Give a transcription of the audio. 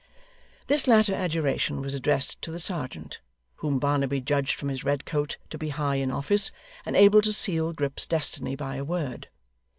This latter adjuration was addressed to the serjeant, whom Barnaby judged from his red coat to be high in office, and able to seal Grip's destiny by a word.